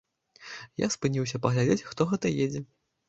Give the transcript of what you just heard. Я спыніўся паглядзець, хто гэта едзе.